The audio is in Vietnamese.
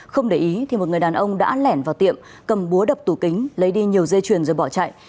không để ý thì một người đàn ông đã lẻn vào tiệm cầm búa đập tủ kính lấy đi nhiều dây chuyền rồi bỏ chạy